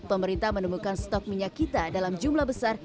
pemerintah menemukan stok minyak kita dalam jumlah besar